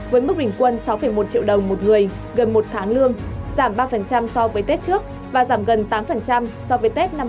với mức bình quân sáu một triệu đồng một người gần một tháng lương giảm ba so với tết trước và giảm gần tám so với tết năm hai nghìn hai mươi